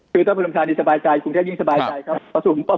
คือถ้าคุณอำชานี่สบายใจกรุงเทพยิ่งสบายใจครับ